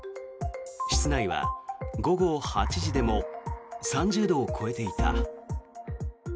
室内は午後８時でも３０度を超えていた。